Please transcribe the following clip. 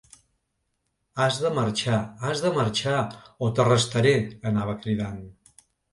Has de marxar, has de marxar, o t’arrestaré!, anava cridant.